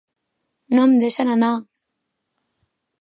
No em deixen anar!